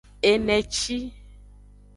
Eneci.